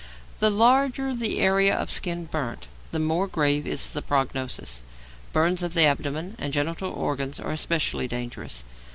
The larger the area of skin burnt, the more grave is the prognosis. Burns of the abdomen and genital organs are especially dangerous.